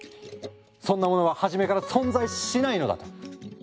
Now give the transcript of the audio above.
そんなものは初めから存在しないのだと。